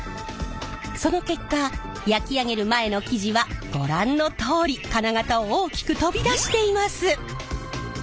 その結果焼き上げる前の生地はご覧のとおり金型を大きく飛び出しています！